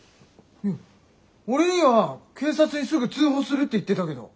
いや俺には「警察にすぐ通報する」って言ってたけど。